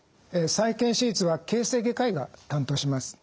再建手術は形成外科医が担当します。